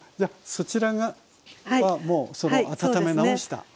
そちらがもうその温め直した。